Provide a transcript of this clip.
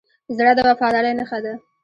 زړه د وفادارۍ نښه ده.